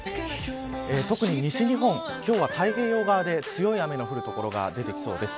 特に西日本、今日は太平洋側で強い雨の降る所が出てきそうです。